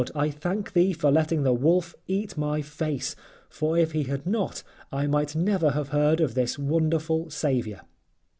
I thank Thee for letting the wolf eat my face, for if he had not I might never have heard of this wonderful Saviour."